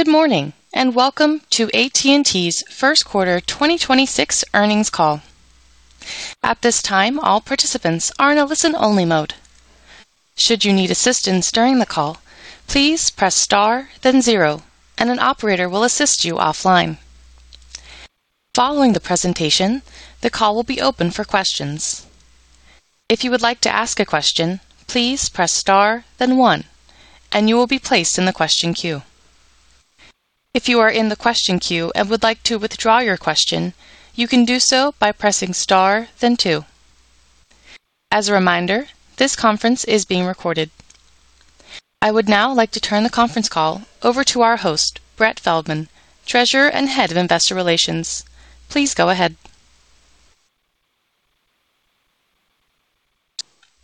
Good morning, and welcome to AT&T's first quarter 2026 earnings call. At this time, all participants are in a listen-only mode. Should you need assistance during the call, please press star then zero, and an operator will assist you offline. Following the presentation, the call will be open for questions. If you would like to ask a question, please press star then one, and you will be placed in the question queue. If you are in the question queue and would like to withdraw your question, you can do so by pressing star then two. As a reminder, this conference is being recorded. I would now like to turn the conference call over to our host, Brett Feldman, Treasurer and Head of Investor Relations. Please go ahead.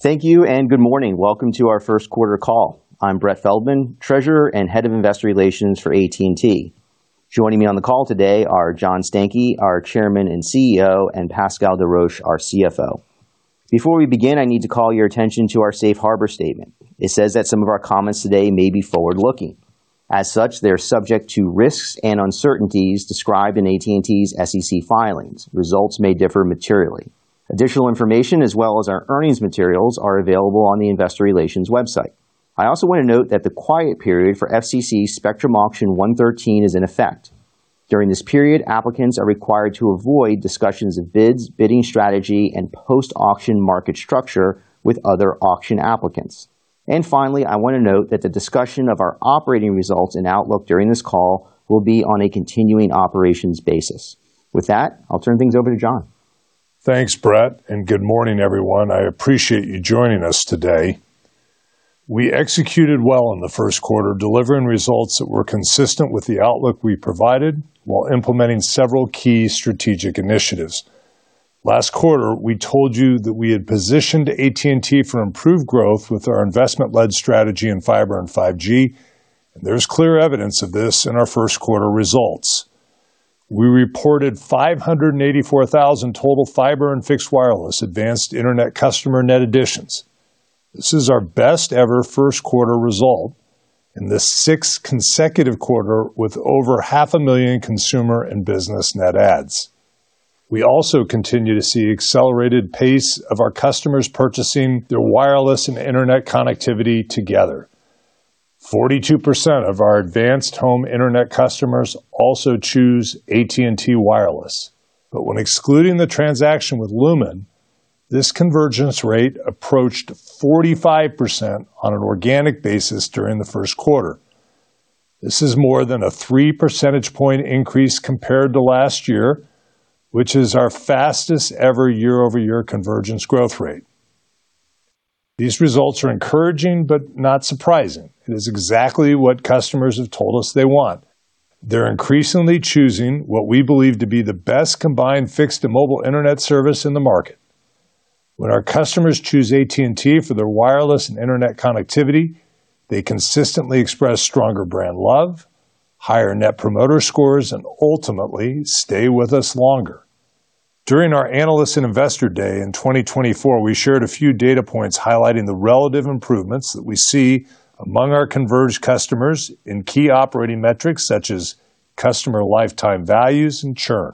Thank you and good morning. Welcome to our first quarter call. I'm Brett Feldman, Treasurer and Head of Investor Relations for AT&T. Joining me on the call today are John Stankey, our Chairman and CEO, and Pascal Desroches, our CFO. Before we begin, I need to call your attention to our Safe Harbor statement. It says that some of our comments today may be forward-looking. As such, they're subject to risks and uncertainties described in AT&T's SEC filings. Results may differ materially. Additional information as well as our earnings materials are available on the Investor Relations website. I also want to note that the quiet period for FCC Spectrum Auction 113 is in effect. During this period, applicants are required to avoid discussions of bids, bidding strategy, and post-auction market structure with other auction applicants. Finally, I want to note that the discussion of our operating results and outlook during this call will be on a continuing operations basis. With that, I'll turn things over to John. Thanks, Brett, and good morning, everyone. I appreciate you joining us today. We executed well in the first quarter, delivering results that were consistent with the outlook we provided while implementing several key strategic initiatives. Last quarter, we told you that we had positioned AT&T for improved growth with our investment-led strategy in fiber and 5G, and there's clear evidence of this in our first quarter results. We reported 584,000 total fiber and fixed wireless advanced internet customer net additions. This is our best ever first quarter result and the sixth consecutive quarter with over 500,000 consumer and business net adds. We also continue to see accelerated pace of our customers purchasing their wireless and internet connectivity together. 42% of our advanced home internet customers also choose AT&T Wireless. When excluding the transaction with Lumen, this convergence rate approached 45% on an organic basis during the first quarter. This is more than a 3 percentage points increase compared to last year, which is our fastest ever year-over-year convergence growth rate. These results are encouraging but not surprising. It is exactly what customers have told us they want. They're increasingly choosing what we believe to be the best combined fixed and mobile internet service in the market. When our customers choose AT&T for their wireless and internet connectivity, they consistently express stronger brand love, higher net promoter scores, and ultimately stay with us longer. During our Analyst and Investor Day in 2024, we shared a few data points highlighting the relative improvements that we see among our converged customers in key operating metrics such as customer lifetime values and churn.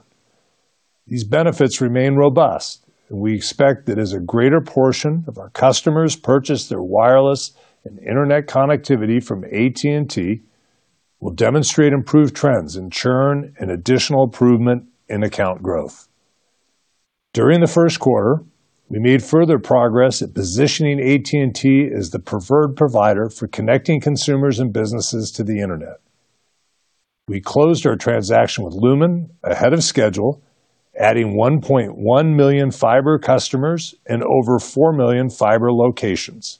These benefits remain robust, and we expect that as a greater portion of our customers purchase their wireless and internet connectivity from AT&T, we'll demonstrate improved trends in churn and additional improvement in account growth. During the first quarter, we made further progress at positioning AT&T as the preferred provider for connecting consumers and businesses to the internet. We closed our transaction with Lumen ahead of schedule, adding 1.1 million fiber customers and over 4 million fiber locations.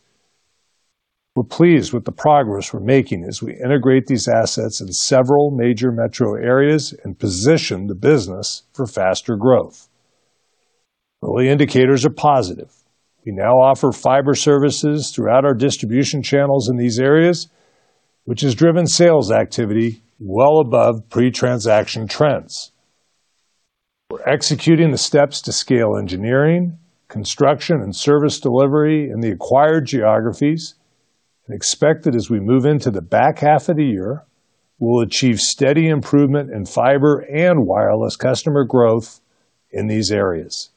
We're pleased with the progress we're making as we integrate these assets in several major metro areas and position the business for faster growth. Early indicators are positive. We now offer fiber services throughout our distribution channels in these areas, which has driven sales activity well above pre-transaction trends. We're executing the steps to scale engineering, construction, and service delivery in the acquired geographies and expect that as we move into the back half of the year, we'll achieve steady improvement in fiber and wireless customer growth in these areas.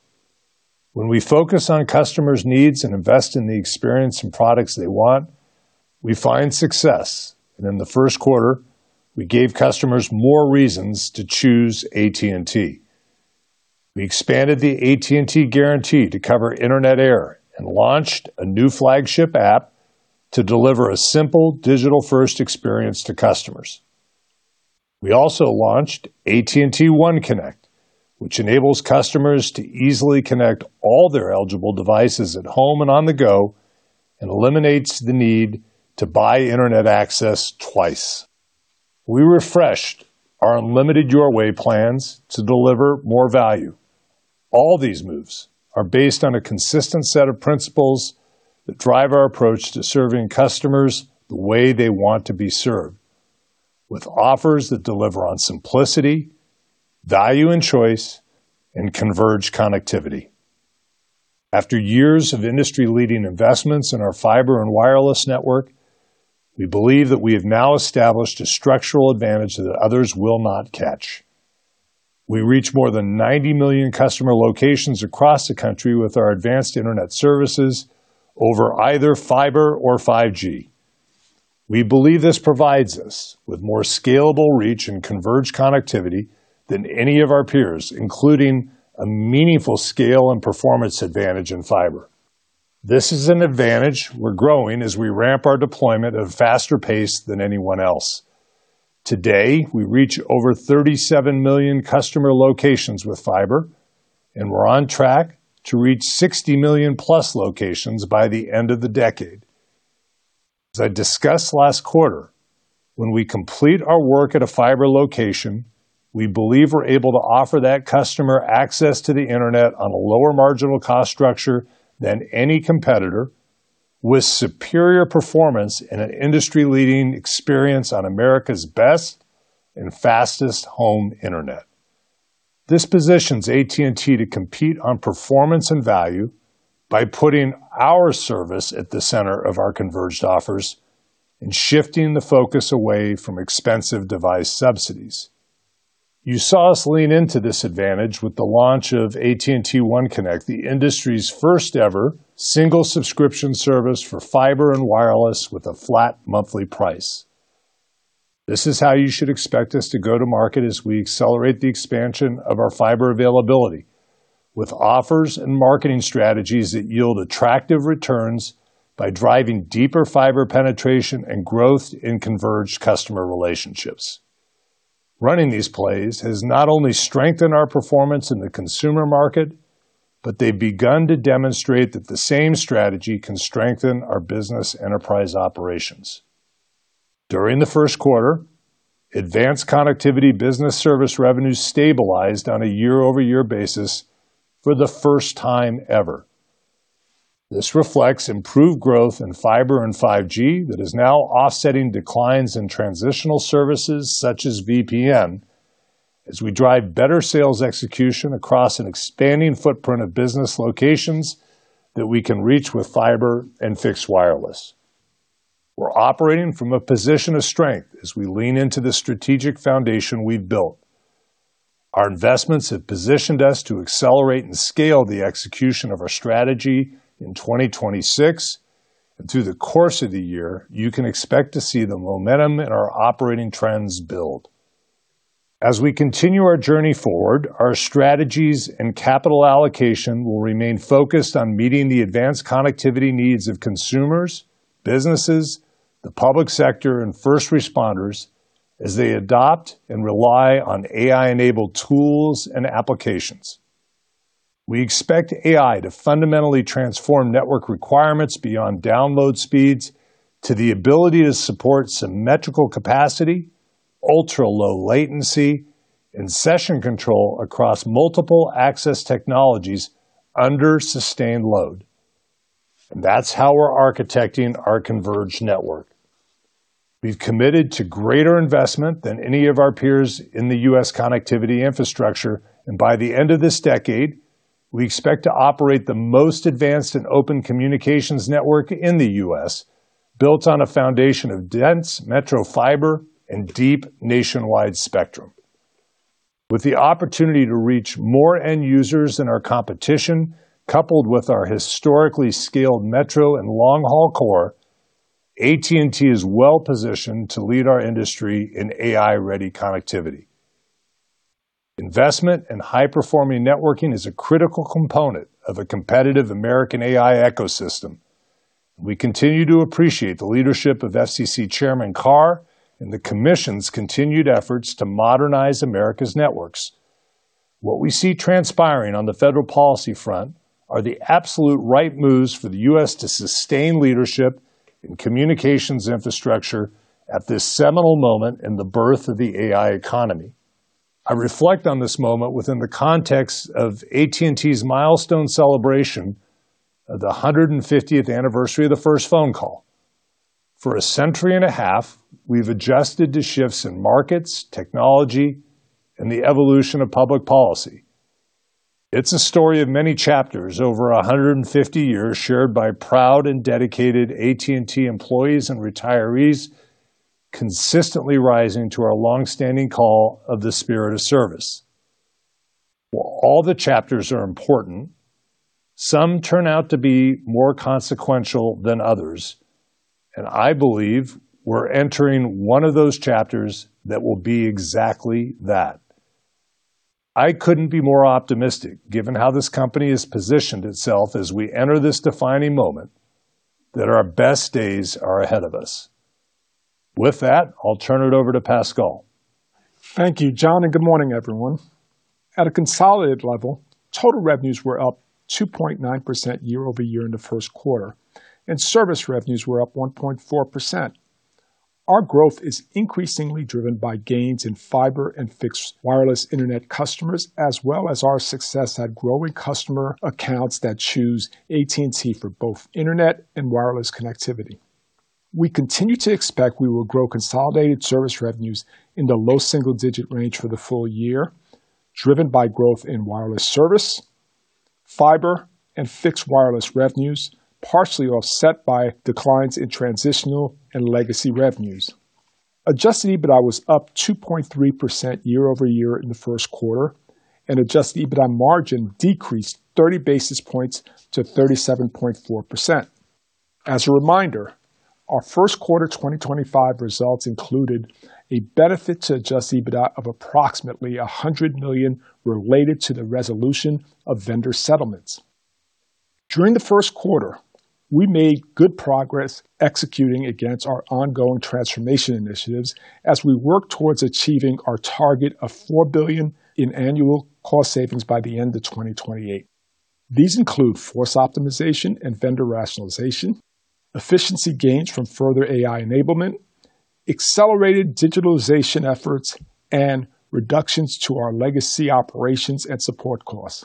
When we focus on customers' needs and invest in the experience and products they want, we find success. In the first quarter, we gave customers more reasons to choose AT&T. We expanded the AT&T Guarantee to cover AT&T Guarantee and launched a new flagship app to deliver a simple digital-first experience to customers. We also launched AT&T OneConnect, which enables customers to easily connect all their eligible devices at home and on the go and eliminates the need to buy internet access twice. We refreshed our Unlimited Your Way plans to deliver more value. All these moves are based on a consistent set of principles that drive our approach to serving customers the way they want to be served, with offers that deliver on simplicity, value and choice, and converged connectivity. After years of industry-leading investments in our fiber and wireless network, we believe that we have now established a structural advantage that others will not catch. We reach more than 90 million customer locations across the country with our advanced internet services over either fiber or 5G. We believe this provides us with more scalable reach and converged connectivity than any of our peers, including a meaningful scale and performance advantage in fiber. This is an advantage we're growing as we ramp our deployment at a faster pace than anyone else. Today, we reach over 37 million customer locations with fiber, and we're on track to reach 60 million-plus locations by the end of the decade. As I discussed last quarter, when we complete our work at a fiber location, we believe we're able to offer that customer access to the internet on a lower marginal cost structure than any competitor, with superior performance and an industry-leading experience on America's best and fastest home internet. This positions AT&T to compete on performance and value by putting our service at the center of our converged offers and shifting the focus away from expensive device subsidies. You saw us lean into this advantage with the launch of AT&T OneConnect, the industry's first ever single subscription service for fiber and wireless with a flat monthly price. This is how you should expect us to go to market as we accelerate the expansion of our fiber availability, with offers and marketing strategies that yield attractive returns by driving deeper fiber penetration and growth in converged customer relationships. Running these plays has not only strengthened our performance in the consumer market, but they've begun to demonstrate that the same strategy can strengthen our business enterprise operations. During the first quarter, Advanced Connectivity business service revenues stabilized on a year-over-year basis for the first time ever. This reflects improved growth in fiber and 5G that is now offsetting declines in transitional services such as VPN, as we drive better sales execution across an expanding footprint of business locations that we can reach with fiber and fixed wireless. We're operating from a position of strength as we lean into the strategic foundation we've built. Our investments have positioned us to accelerate and scale the execution of our strategy in 2026, and through the course of the year, you can expect to see the momentum in our operating trends build. As we continue our journey forward, our strategies and capital allocation will remain focused on meeting the advanced connectivity needs of consumers, businesses, the public sector, and first responders as they adopt and rely on AI-enabled tools and applications. We expect AI to fundamentally transform network requirements beyond download speeds to the ability to support symmetrical capacity, ultra-low latency, and session control across multiple access technologies under sustained load. That's how we're architecting our converged network. We've committed to greater investment than any of our peers in the U.S. connectivity infrastructure, and by the end of this decade, we expect to operate the most advanced and open communications network in the U.S., built on a foundation of dense metro fiber and deep nationwide spectrum. With the opportunity to reach more end users than our competition, coupled with our historically scaled metro and long-haul core, AT&T is well-positioned to lead our industry in AI-ready connectivity. Investment in high-performing networking is a critical component of a competitive American AI ecosystem. We continue to appreciate the leadership of FCC Chairman Carr and the commission's continued efforts to modernize America's networks. What we see transpiring on the federal policy front are the absolute right moves for the U.S. to sustain leadership in communications infrastructure at this seminal moment in the birth of the AI economy. I reflect on this moment within the context of AT&T's milestone celebration of the 150th anniversary of the first phone call. For a century and a half, we've adjusted to shifts in markets, technology, and the evolution of public policy. It's a story of many chapters over 150 years shared by proud and dedicated AT&T employees and retirees, consistently rising to our long-standing call of the spirit of service. While all the chapters are important, some turn out to be more consequential than others, and I believe we're entering one of those chapters that will be exactly that. I couldn't be more optimistic, given how this company has positioned itself as we enter this defining moment, that our best days are ahead of us. With that, I'll turn it over to Pascal. Thank you, John, and good morning, everyone. At a consolidated level, total revenues were up 2.9% year-over-year in the first quarter, and service revenues were up 1.4%. Our growth is increasingly driven by gains in fiber and fixed wireless internet customers, as well as our success at growing customer accounts that choose AT&T for both internet and wireless connectivity. We continue to expect we will grow consolidated service revenues in the low single-digit range for the full year, driven by growth in wireless service, fiber, and fixed wireless revenues, partially offset by declines in transitional and legacy revenues. Adjusted EBITDA was up 2.3% year-over-year in the first quarter, and adjusted EBITDA margin decreased 30 basis points to 37.4%. As a reminder, our first quarter 2025 results included a benefit to adjusted EBITDA of approximately $100 million related to the resolution of vendor settlements. During the first quarter, we made good progress executing against our ongoing transformation initiatives as we work towards achieving our target of $4 billion in annual cost savings by the end of 2028. These include workforce optimization and vendor rationalization, efficiency gains from further AI enablement, accelerated digitalization efforts, and reductions to our legacy operations and support costs.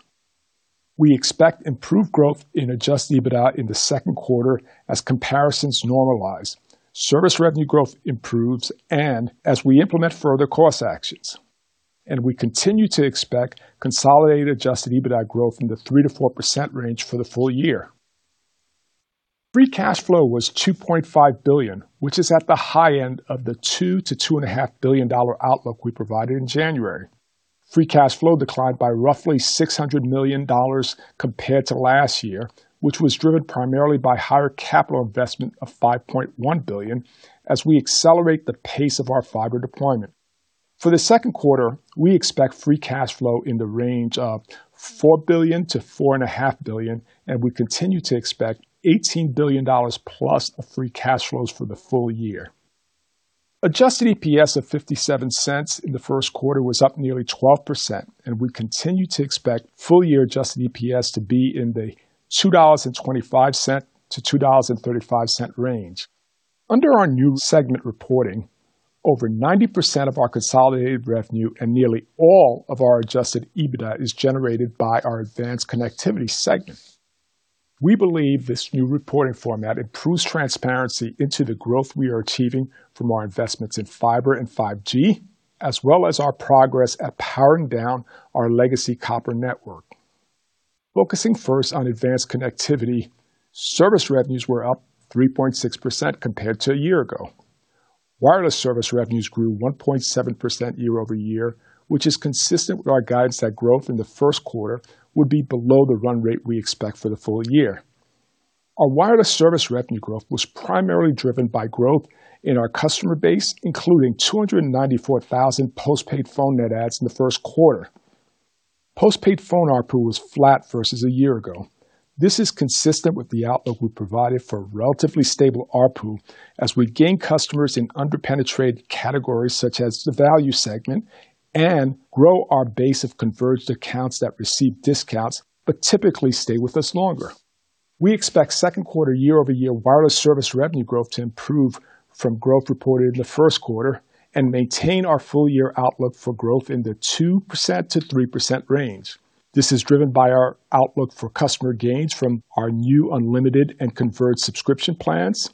We expect improved growth in adjusted EBITDA in the second quarter as comparisons normalize, service revenue growth improves and as we implement further cost actions. We continue to expect consolidated adjusted EBITDA growth in the 3%-4% range for the full year. Free cash flow was $2.5 billion, which is at the high end of the $2 billion-$2.5 billion outlook we provided in January. Free cash flow declined by roughly $600 million compared to last year, which was driven primarily by higher capital investment of $5.1 billion as we accelerate the pace of our fiber deployment. For the second quarter, we expect free cash flow in the range of $4 billion-$4.5 billion, and we continue to expect $18 billion+ of free cash flows for the full year. Adjusted EPS of $0.57 in the first quarter was up nearly 12%, and we continue to expect full-year adjusted EPS to be in the $2.25-$2.35 range. Under our new segment reporting, over 90% of our consolidated revenue and nearly all of our adjusted EBITDA is generated by our Advanced Connectivity segment. We believe this new reporting format improves transparency into the growth we are achieving from our investments in fiber and 5G, as well as our progress at powering down our legacy copper network. Focusing first on Advanced Connectivity, service revenues were up 3.6% compared to a year ago. Wireless service revenues grew 1.7% year-over-year, which is consistent with our guidance that growth in the first quarter would be below the run rate we expect for the full year. Our wireless service revenue growth was primarily driven by growth in our customer base, including 294,000 postpaid phone net adds in the first quarter. Postpaid phone ARPU was flat versus a year ago. This is consistent with the outlook we provided for relatively stable ARPU as we gain customers in under-penetrated categories such as the value segment and grow our base of converged accounts that receive discounts but typically stay with us longer. We expect second quarter year-over-year wireless service revenue growth to improve from growth reported in the first quarter and maintain our full year outlook for growth in the 2%-3% range. This is driven by our outlook for customer gains from our new unlimited and converged subscription plans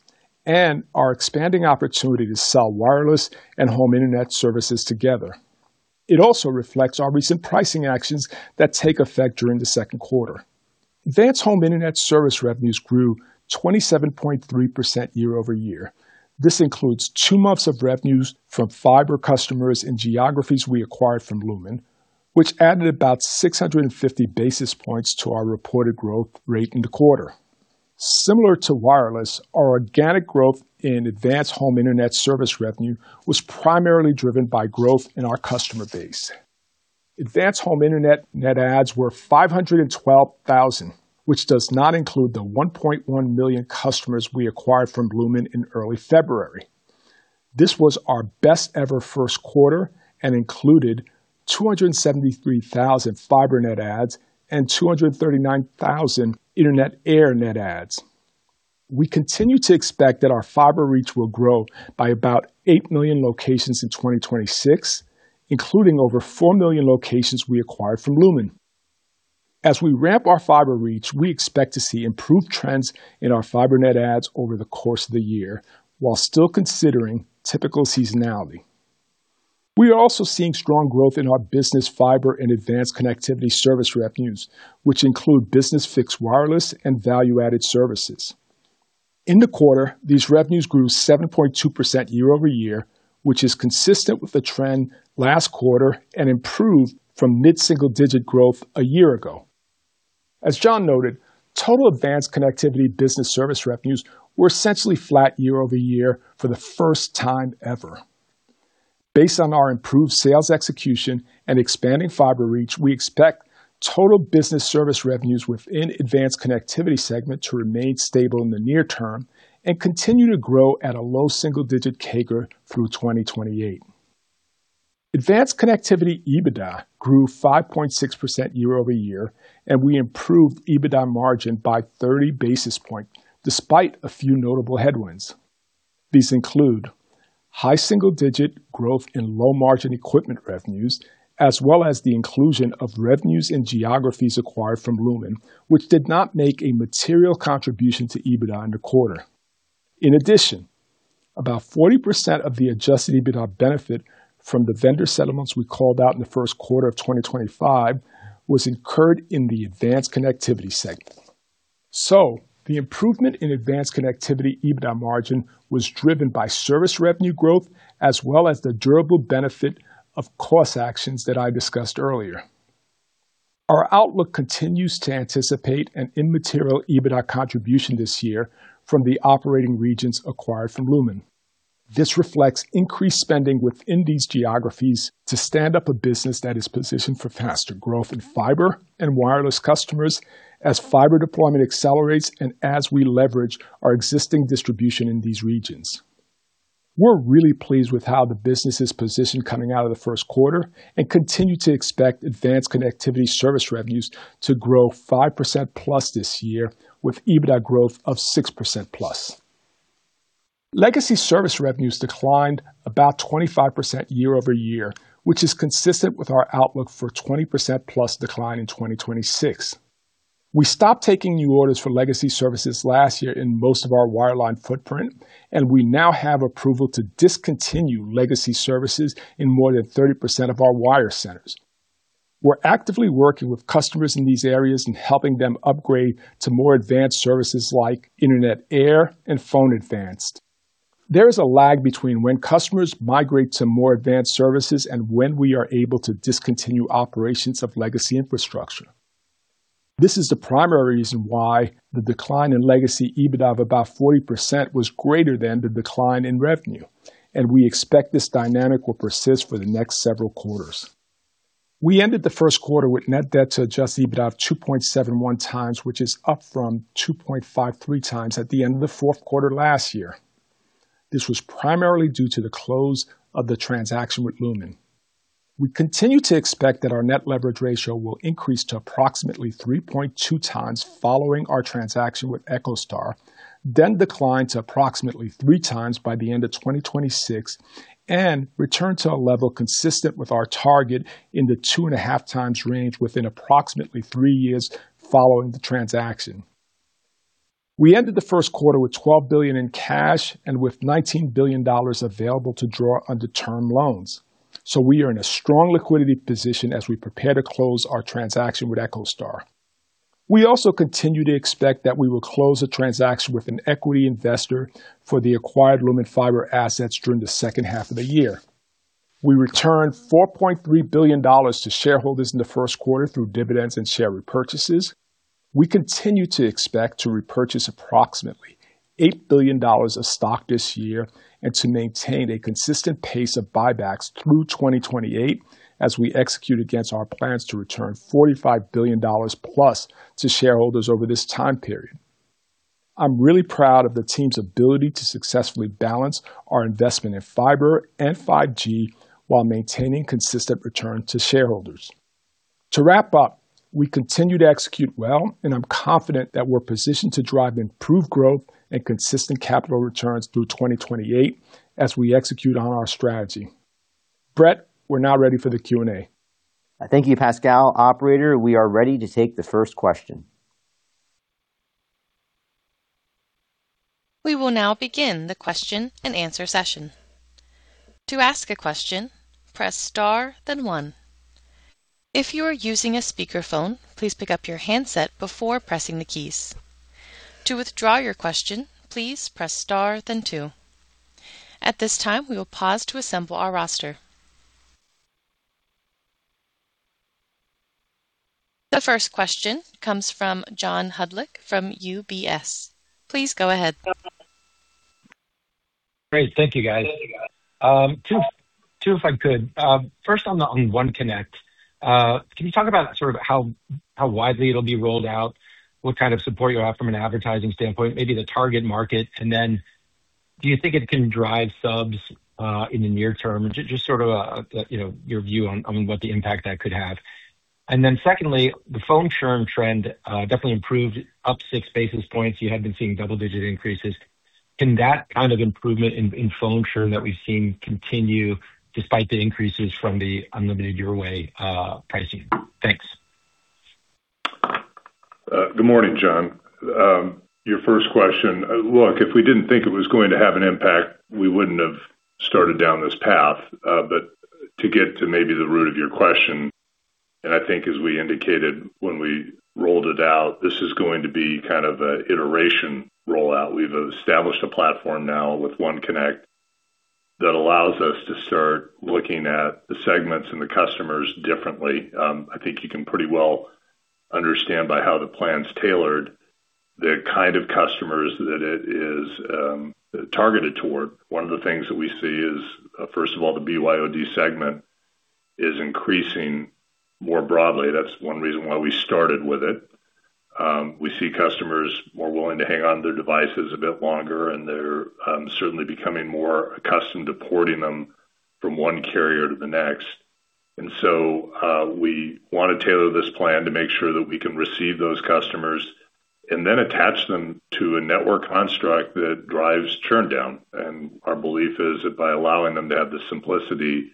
and our expanding opportunity to sell wireless and home internet services together. It also reflects our recent pricing actions that take effect during the second quarter. Advanced home internet service revenues grew 27.3% year-over-year. This includes two months of revenues from fiber customers in geographies we acquired from Lumen, which added about 650 basis points to our reported growth rate in the quarter. Similar to wireless, our organic growth in advanced home internet service revenue was primarily driven by growth in our customer base. Advanced home internet net adds were 512,000, which does not include the 1.1 million customers we acquired from Lumen in early February. This was our best ever first quarter and included 273,000 fiber net adds and 239,000 Internet Air net adds. We continue to expect that our fiber reach will grow by about 8 million locations in 2026, including over 4 million locations we acquired from Lumen. As we ramp our fiber reach, we expect to see improved trends in our fiber net adds over the course of the year, while still considering typical seasonality. We are also seeing strong growth in our business fiber and Advanced Connectivity service revenues, which include business fixed wireless and value-added services. In the quarter, these revenues grew 7.2% year-over-year, which is consistent with the trend last quarter and improved from mid-single digit growth a year ago. As John noted, total Advanced Connectivity business service revenues were essentially flat year-over-year for the first time ever. Based on our improved sales execution and expanding fiber reach, we expect total business service revenues within Advanced Connectivity segment to remain stable in the near term and continue to grow at a low single-digit CAGR through 2028. Advanced Connectivity EBITDA grew 5.6% year-over-year, and we improved EBITDA margin by 30 basis points despite a few notable headwinds. These include high single-digit growth in low-margin equipment revenues, as well as the inclusion of revenues and geographies acquired from Lumen, which did not make a material contribution to EBITDA in the quarter. In addition, about 40% of the adjusted EBITDA benefit from the vendor settlements we called out in the first quarter of 2025 was incurred in the Advanced Connectivity segment. The improvement in Advanced Connectivity EBITDA margin was driven by service revenue growth, as well as the durable benefit of cost actions that I discussed earlier. Our outlook continues to anticipate an immaterial EBITDA contribution this year from the operating regions acquired from Lumen. This reflects increased spending within these geographies to stand up a business that is positioned for faster growth in fiber and wireless customers as fiber deployment accelerates and as we leverage our existing distribution in these regions. We're really pleased with how the business is positioned coming out of the first quarter and continue to expect Advanced Connectivity service revenues to grow 5%+ this year, with EBITDA growth of 6%+. Legacy service revenues declined about 25% year-over-year, which is consistent with our outlook for 20%+ decline in 2026. We stopped taking new orders for legacy services last year in most of our wireline footprint, and we now have approval to discontinue legacy services in more than 30% of our wire centers. We're actively working with customers in these areas and helping them upgrade to more advanced services like Internet Air and Phone Advanced. There is a lag between when customers migrate to more advanced services and when we are able to discontinue operations of legacy infrastructure. This is the primary reason why the decline in legacy EBITDA of about 40% was greater than the decline in revenue, and we expect this dynamic will persist for the next several quarters. We ended the first quarter with net debt to adjusted EBITDA of 2.71 times, which is up from 2.53 times at the end of the fourth quarter last year. This was primarily due to the close of the transaction with Lumen. We continue to expect that our net leverage ratio will increase to approximately 3.2 times following our transaction with EchoStar, then decline to approximately three times by the end of 2026 and return to a level consistent with our target in the two and a half times range within approximately three years following the transaction. We ended the first quarter with $12 billion in cash and with $19 billion available to draw under term loans. We are in a strong liquidity position as we prepare to close our transaction with EchoStar. We also continue to expect that we will close a transaction with an equity investor for the acquired Lumen fiber assets during the second half of the year. We returned $4.3 billion to shareholders in the first quarter through dividends and share repurchases. We continue to expect to repurchase approximately $8 billion of stock this year and to maintain a consistent pace of buybacks through 2028 as we execute against our plans to return $45 billion plus to shareholders over this time period. I'm really proud of the team's ability to successfully balance our investment in fiber and 5G while maintaining consistent return to shareholders. To wrap up, we continue to execute well, and I'm confident that we're positioned to drive improved growth and consistent capital returns through 2028 as we execute on our strategy. Brett, we're now ready for the Q&A. Thank you, Pascal. Operator, we are ready to take the first question. We will now begin the question and answer session. To ask a question, press star then one. If you are using a speakerphone, please pick up your handset before pressing the keys. To withdraw your question, please press star then two. At this time, we will pause to assemble our roster. The first question comes from John Hodulik from UBS. Please go ahead. Great. Thank you, guys. Two, if I could. First on the AT&T OneConnect, can you talk about how widely it'll be rolled out, what kind of support you have from an advertising standpoint, maybe the target market, and then do you think it can drive subs in the near term? Just sort of your view on what the impact that could have. Secondly, the phone churn trend definitely improved up 6 basis points. You had been seeing double-digit increases. Can that kind of improvement in phone churn that we've seen continue despite the increases from the Unlimited Your Way pricing? Thanks. Good morning, John. Your first question. Look, if we didn't think it was going to have an impact, we wouldn't have started down this path. To get to maybe the root of your question, and I think as we indicated when we rolled it out, this is going to be kind of an iteration rollout. We've established a platform now with OneConnect that allows us to start looking at the segments and the customers differently. I think you can pretty well understand by how the plan's tailored, the kind of customers that it is targeted toward. One of the things that we see is, first of all, the BYOD segment is increasing more broadly. That's one reason why we started with it. We see customers more willing to hang on to their devices a bit longer, and they're certainly becoming more accustomed to porting them from one carrier to the next. We want to tailor this plan to make sure that we can receive those customers and then attach them to a network construct that drives churn down. Our belief is that by allowing them to have the simplicity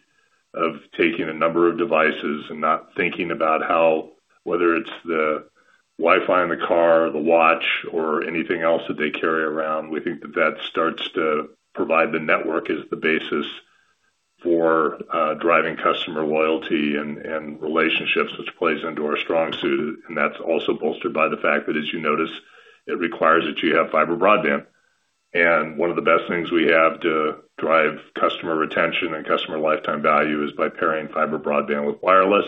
of taking a number of devices and not thinking about how, whether it's the Wi-Fi in the car, the watch, or anything else that they carry around, we think that that starts to provide the network as the basis for driving customer loyalty and relationships, which plays into our strong suit. That's also bolstered by the fact that as you notice, it requires that you have fiber broadband. One of the best things we have to drive customer retention and customer lifetime value is by pairing fiber broadband with wireless.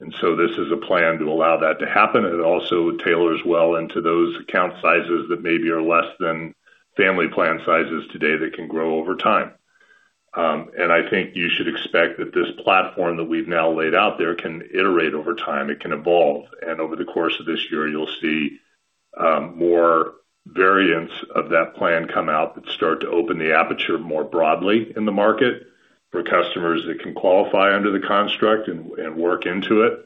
This is a plan to allow that to happen. It also tailors well into those account sizes that maybe are less than family plan sizes today that can grow over time. I think you should expect that this platform that we've now laid out there can iterate over time. It can evolve, and over the course of this year, you'll see more variants of that plan come out that start to open the aperture more broadly in the market for customers that can qualify under the construct and work into it.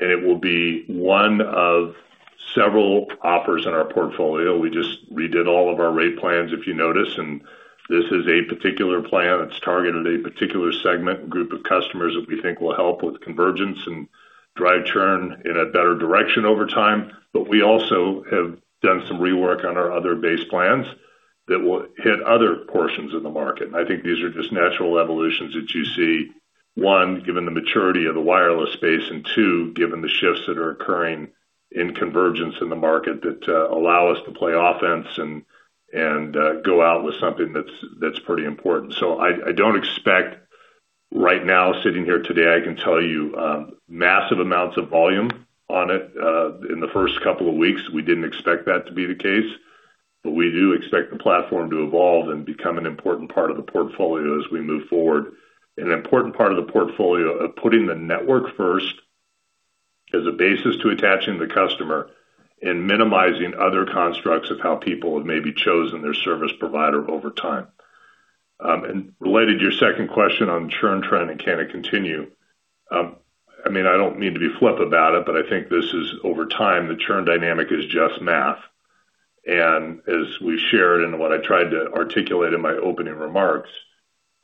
It will be one of several offers in our portfolio. We just redid all of our rate plans, if you notice, and this is a particular plan. It's targeted at a particular segment group of customers that we think will help with convergence and drive churn in a better direction over time. We also have done some rework on our other base plans that will hit other portions of the market. I think these are just natural evolutions that you see, one, given the maturity of the wireless space, and two, given the shifts that are occurring in convergence in the market that allow us to play offense and go out with something that's pretty important. I don't expect right now, sitting here today, I can tell you massive amounts of volume on it in the first couple of weeks. We didn't expect that to be the case, but we do expect the platform to evolve and become an important part of the portfolio as we move forward. An important part of the portfolio of putting the network first as a basis to attaching the customer and minimizing other constructs of how people have maybe chosen their service provider over time. Related to your second question on churn trend and can it continue, I don't mean to be flip about it, but I think this is over time, the churn dynamic is just math. As we shared and what I tried to articulate in my opening remarks,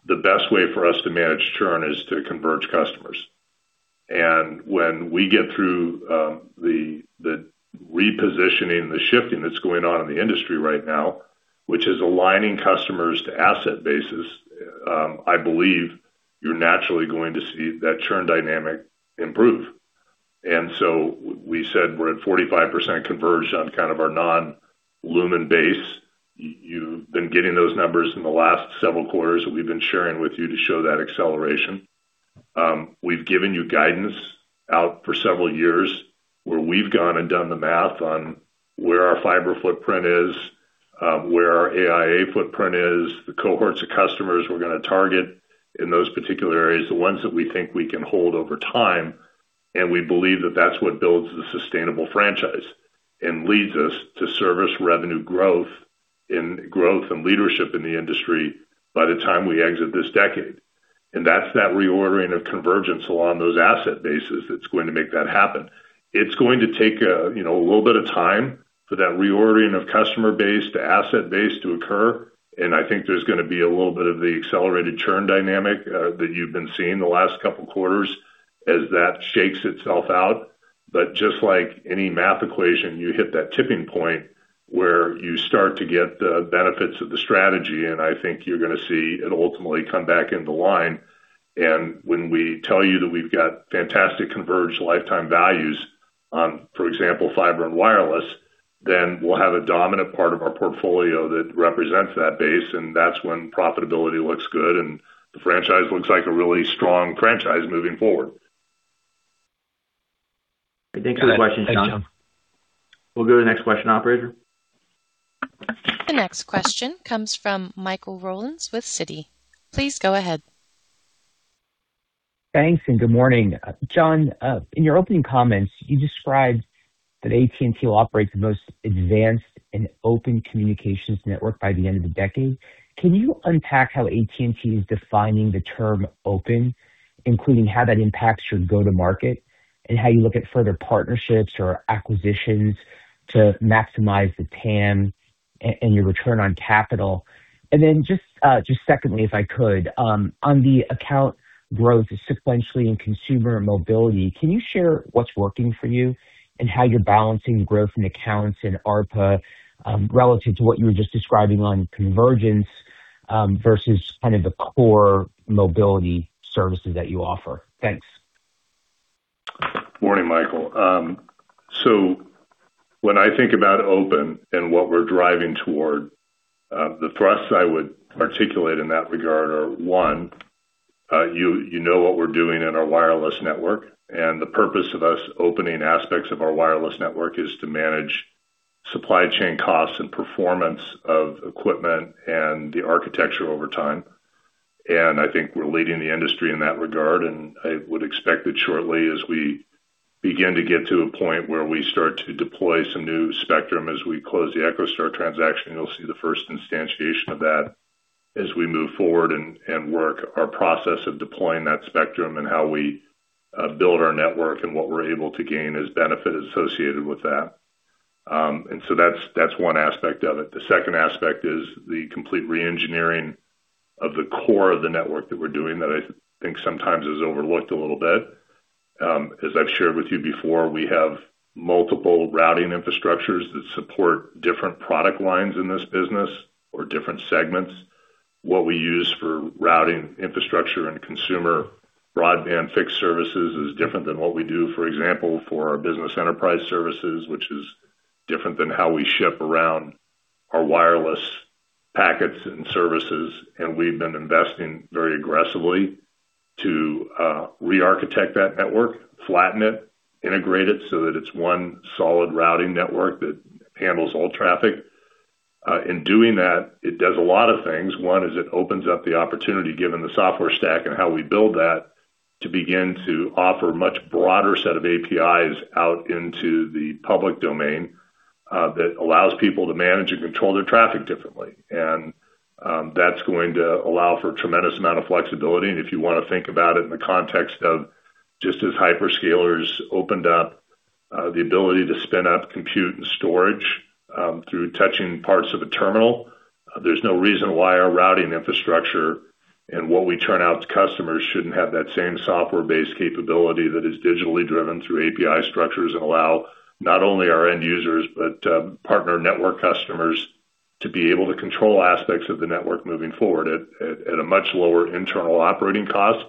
the best way for us to manage churn is to converge customers. When we get through the repositioning, the shifting that's going on in the industry right now, which is aligning customers to asset bases, I believe you're naturally going to see that churn dynamic improve. We said we're at 45% conversion on kind of our non-Lumen base. You've been getting those numbers in the last several quarters that we've been sharing with you to show that acceleration. We've given you guidance out for several years where we've gone and done the math on where our fiber footprint is, where our AIA footprint is, the cohorts of customers we're going to target in those particular areas, the ones that we think we can hold over time, and we believe that that's what builds the sustainable franchise and leads us to service revenue growth and leadership in the industry by the time we exit this decade. That's that reordering of convergence along those asset bases that's going to make that happen. It's going to take a little bit of time for that reordering of customer base to asset base to occur, and I think there's going to be a little bit of the accelerated churn dynamic that you've been seeing the last couple of quarters as that shakes itself out. Just like any math equation, you hit that tipping point where you start to get the benefits of the strategy, and I think you're going to see it ultimately come back into line. When we tell you that we've got fantastic converged lifetime values on, for example, fiber and wireless, then we'll have a dominant part of our portfolio that represents that base, and that's when profitability looks good and the franchise looks like a really strong franchise moving forward. I think two questions, John. We'll go to the next question, operator. The next question comes from Michael Rollins with Citi. Please go ahead. Thanks, and good morning. John, in your opening comments, you described that AT&T will operate the most advanced and open communications network by the end of the decade. Can you unpack how AT&T is defining the term open, including how that impacts your go-to-market and how you look at further partnerships or acquisitions to maximize the TAM and your return on capital? Just secondly, if I could, on the account growth sequentially in consumer mobility, can you share what's working for you and how you're balancing growth in accounts and ARPA, relative to what you were just describing on convergence, versus kind of the core mobility services that you offer? Thanks. Morning, Michael. When I think about open and what we're driving toward, the thrust I would articulate in that regard are, one, you know what we're doing in our wireless network, and the purpose of us opening aspects of our wireless network is to manage supply chain costs and performance of equipment and the architecture over time. I think we're leading the industry in that regard, and I would expect that shortly as we begin to get to a point where we start to deploy some new spectrum. As we close the EchoStar transaction, you'll see the first instantiation of that. As we move forward and work our process of deploying that spectrum and how we build our network and what we're able to gain as benefit associated with that. That's one aspect of it. The second aspect is the complete re-engineering of the core of the network that we're doing, that I think sometimes is overlooked a little bit. As I've shared with you before, we have multiple routing infrastructures that support different product lines in this business or different segments. What we use for routing infrastructure and consumer broadband fixed services is different than what we do, for example, for our business enterprise services, which is different than how we ship around our wireless packets and services. We've been investing very aggressively to re-architect that network, flatten it, integrate it so that it's one solid routing network that handles all traffic. In doing that, it does a lot of things. One is it opens up the opportunity, given the software stack and how we build that, to begin to offer much broader set of APIs out into the public domain that allows people to manage and control their traffic differently. That's going to allow for a tremendous amount of flexibility. If you want to think about it in the context of just as hyperscalers opened up the ability to spin up compute and storage through touching parts of a terminal, there's no reason why our routing infrastructure and what we turn out to customers shouldn't have that same software-based capability that is digitally driven through API structures and allow not only our end users but partner network customers to be able to control aspects of the network moving forward at a much lower internal operating cost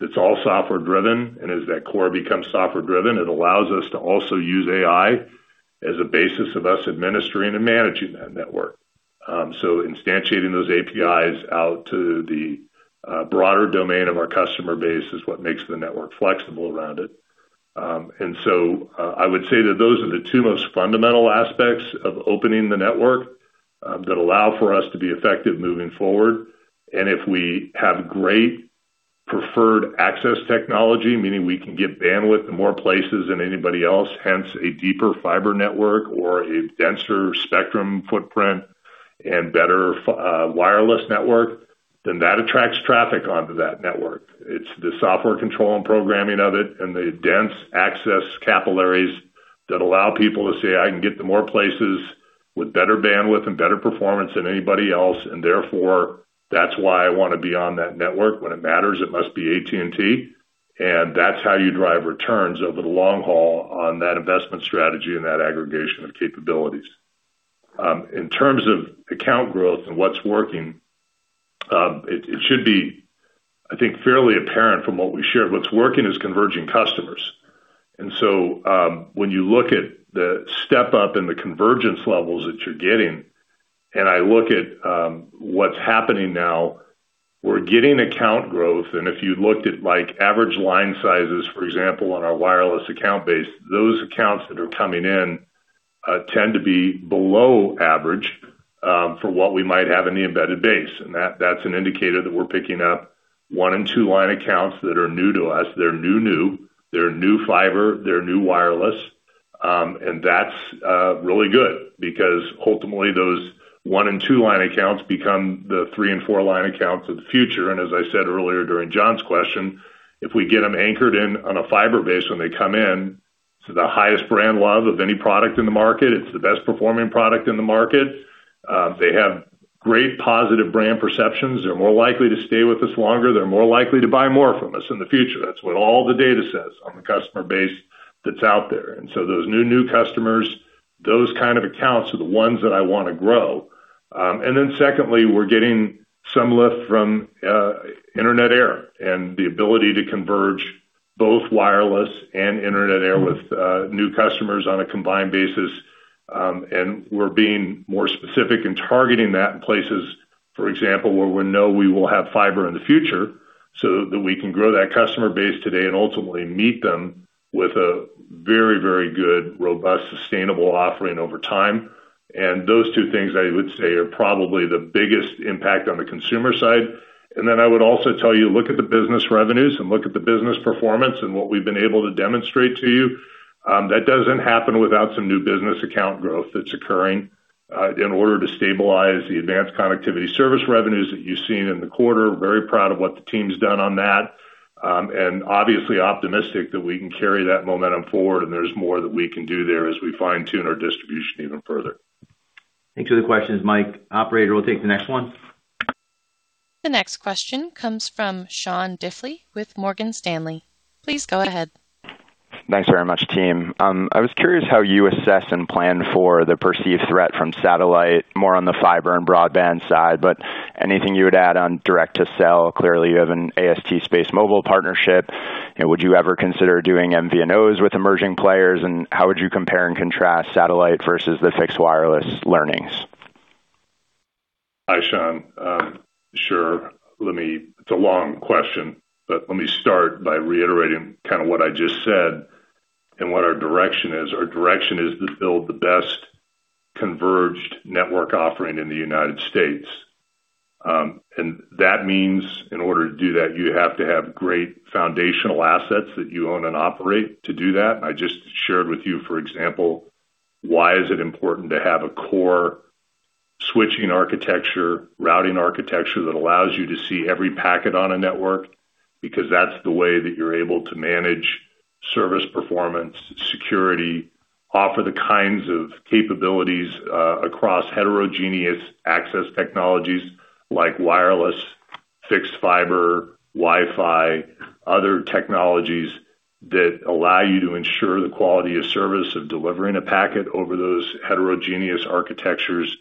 that's all software driven. As that core becomes software driven, it allows us to also use AI as a basis of us administering and managing that network. Instantiating those APIs out to the broader domain of our customer base is what makes the network flexible around it. I would say that those are the two most fundamental aspects of opening the network that allow for us to be effective moving forward. If we have great preferred access technology, meaning we can get bandwidth in more places than anybody else, hence a deeper fiber network or a denser spectrum footprint and better wireless network, then that attracts traffic onto that network. It's the software control and programming of it and the dense access capillaries that allow people to say, "I can get to more places with better bandwidth and better performance than anybody else, and therefore, that's why I want to be on that network. When it matters, it must be AT&T." That's how you drive returns over the long haul on that investment strategy and that aggregation of capabilities. In terms of account growth and what's working, it should be, I think, fairly apparent from what we shared. What's working is converging customers. When you look at the step-up and the convergence levels that you're getting, and I look at what's happening now, we're getting account growth. If you looked at average line sizes, for example, on our wireless account base, those accounts that are coming in tend to be below average for what we might have in the embedded base. That's an indicator that we're picking up one and two-line accounts that are new to us. They're new. They're new fiber, they're new wireless. That's really good because ultimately those one and two-line accounts become the three and four-line accounts of the future. As I said earlier during John's question, if we get them anchored in on a fiber base when they come in to the highest brand love of any product in the market, it's the best performing product in the market, they have great positive brand perceptions. They're more likely to stay with us longer. They're more likely to buy more from us in the future. That's what all the data says on the customer base that's out there. Those new customers, those kind of accounts are the ones that I want to grow. We're getting some lift from Internet Air and the ability to converge both wireless and Internet Air with new customers on a combined basis, and we're being more specific in targeting that in places, for example, where we know we will have fiber in the future so that we can grow that customer base today and ultimately meet them with a very, very good, robust, sustainable offering over time. Those two things, I would say, are probably the biggest impact on the consumer side. I would also tell you, look at the business revenues and look at the business performance and what we've been able to demonstrate to you. That doesn't happen without some new business account growth that's occurring in order to stabilize the Advanced Connectivity service revenues that you've seen in the quarter. Very proud of what the team's done on that, and obviously optimistic that we can carry that momentum forward and there's more that we can do there as we fine-tune our distribution even further. Thanks for the questions, Mike. Operator, we'll take the next one. The next question comes from Sean Diffley with Morgan Stanley. Please go ahead. Thanks very much, team. I was curious how you assess and plan for the perceived threat from satellite, more on the fiber and broadband side, but anything you would add on direct-to-cell? Clearly, you have an AST SpaceMobile partnership. Would you ever consider doing MVNOs with emerging players? And how would you compare and contrast satellite versus the fixed wireless learnings? Hi, Sean. Sure. It's a long question, but let me start by reiterating what I just said and what our direction is. Our direction is to build the best converged network offering in the United States. That means in order to do that, you have to have great foundational assets that you own and operate to do that. I just shared with you, for example. Why is it important to have a core switching architecture, routing architecture that allows you to see every packet on a network? Because that's the way that you're able to manage service performance, security, offer the kinds of capabilities across heterogeneous access technologies like wireless, fixed fiber, Wi-Fi, other technologies that allow you to ensure the quality of service of delivering a packet over those heterogeneous architectures.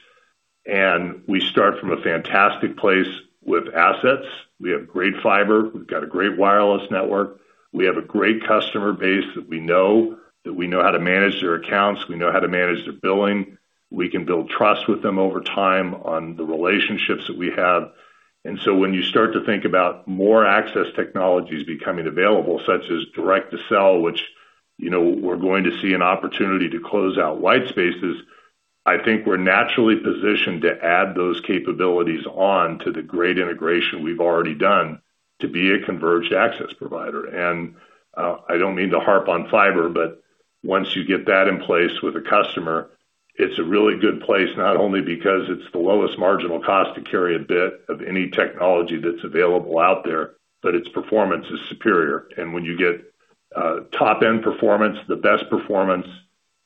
We start from a fantastic place with assets. We have great fiber. We've got a great wireless network. We have a great customer base that we know how to manage their accounts. We know how to manage their billing. We can build trust with them over time on the relationships that we have. When you start to think about more access technologies becoming available, such as direct-to-cell, which we're going to see an opportunity to close out white spaces, I think we're naturally positioned to add those capabilities on to the great integration we've already done to be a converged access provider. I don't mean to harp on fiber, but once you get that in place with a customer, it's a really good place, not only because it's the lowest marginal cost to carry a bit of any technology that's available out there, but its performance is superior. When you get top-end performance, the best performance,